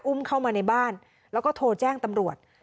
เข้ามาในบ้านแล้วก็โทรแจ้งตำรวจ